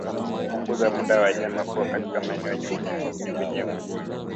Punguza muda wa wanyama kuwa katika maeneo yenye unyevunyevu